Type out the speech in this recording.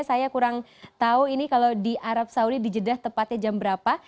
saya kurang tahu ini kalau di arab saudi di jeddah tepatnya jam berapa